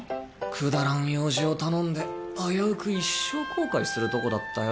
くだらん用事を頼んであやうく一生後悔するとこだったよ。